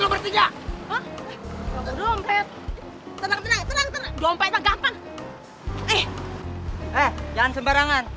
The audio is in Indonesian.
eh jangan sembarangan